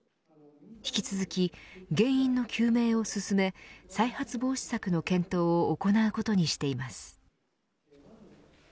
引き続き、原因の究明を進め再発防止策の検討を行うことにしています。